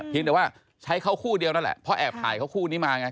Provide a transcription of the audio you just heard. แต่ว่าใช้เขาคู่เดียวนั่นแหละเพราะแอบถ่ายเขาคู่นี้มาไง